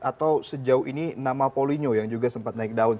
atau sejauh ini nama polino yang juga sempat naik down